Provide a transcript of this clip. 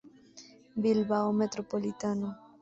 Bilbao metropolitano.